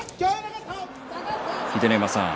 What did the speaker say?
秀ノ山さん